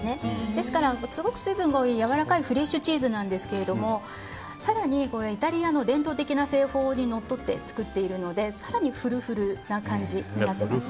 ですからすごく水分が多いやわらかいフレッシュチーズなんですけど更にイタリアの伝統的な製法にのっとって作っているので更にフルフルな感じになってます。